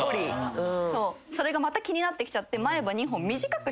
それがまた気になってきちゃって。